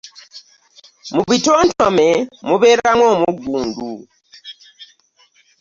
Mubitontome mubeeramu omuggundu .